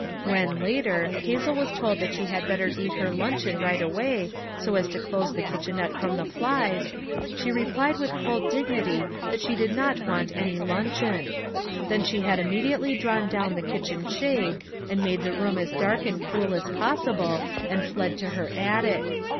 When, later, Hazel was told that she had better eat her luncheon right aw r ay so as to close the kitchenette from the flies, she replied with cold dignity that she did not want any lun cheon ; then she had immediately drawn down the kitchen shade and made the room as dark and cool as possible and fled to her attic.